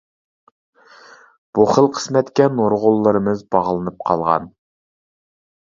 بۇ خىل قىسمەتكە نۇرغۇنلىرىمىز باغلىنىپ قالغان.